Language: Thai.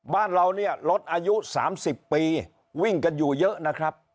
บ้านเราเนี่ยรถอายุ๓๐ปีวิ่งกันอยู่เยอะนะครับ